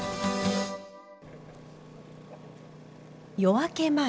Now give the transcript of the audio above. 夜明け前。